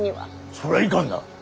そりゃいかんな。